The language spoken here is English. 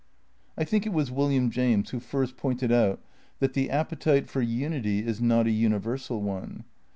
I think l^on it was "William James who first pointed out that the appetite for unity is not a universal one.